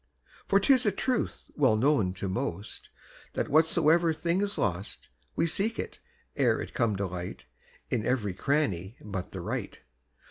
For 'tis a truth well known to most, That whatsoever thing is lost, We seek it, ere it come to light, In every cranny but the right.